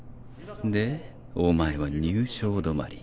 でお前は入賞止まり。